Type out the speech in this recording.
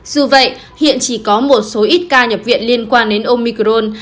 dù vậy hiện chỉ có một số ít ca nhập viện liên quan đến omicron